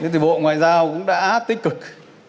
thì bộ ngoại giao cũng đã tích cực